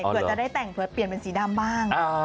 เผื่อจะได้แต่งเผื่อเปลี่ยนเป็นสีดำบ้าง